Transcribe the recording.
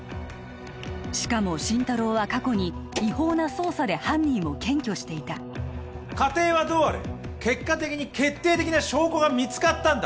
しかも心太朗は過去に違法な捜査で犯人を検挙していた過程はどうあれ結果的に決定的な証拠が見つかったんだ